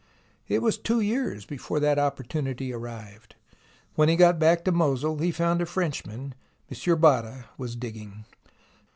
It was two years before that opportunity arrived. When he got back to Mosul he found a Frenchman, M, Botta, was digging.